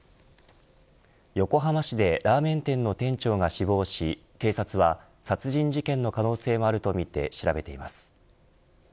横浜市でラーメン店の店長が死亡し警察は、殺人事件の可能性もあるとみて調べています。